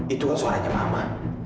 itu kan suaranya mama